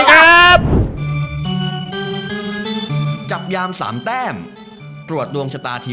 กลับแล้วกันอีกที